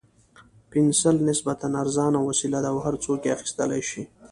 پنسل نسبتاً ارزانه وسیله ده او هر څوک یې اخیستلای شي.